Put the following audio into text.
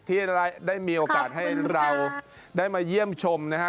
ที่ได้มีโอกาสให้เราได้มาเยี่ยมชมนะฮะ